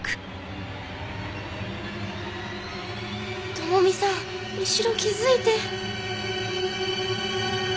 智美さん後ろ気づいて！